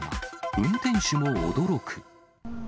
運転手も驚く。